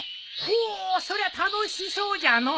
ほおそりゃ楽しそうじゃの。